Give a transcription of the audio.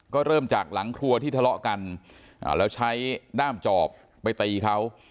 ก็เริ่มจากหลังครัวที่ทะเลาะกันแล้วใช้ด้ามจอบไปตีเขา